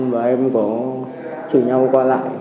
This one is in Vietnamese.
giao thị trường